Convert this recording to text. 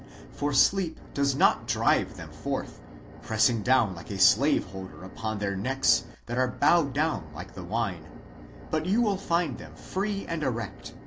For sleep does not drive them forth, pressing down like a slave holder upon their necks, that are bowed down by the wine; but youfind them , free and erect